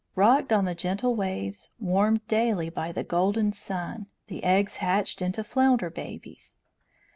Rocked on the gentle waves, warmed daily by the golden sun, the eggs hatched into flounder babies.